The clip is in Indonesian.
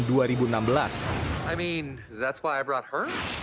maksud saya itulah kenapa saya membawanya